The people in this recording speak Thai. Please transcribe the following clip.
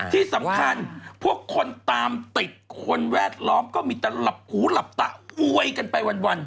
ที่สำคัญพวกคนตามติดคนแวดล้อมก็มีแต่หลับหูหลับตาอวยกันไปวัน